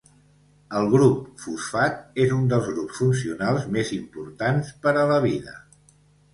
El grup fosfat és un dels grups funcionals més importants per a la vida.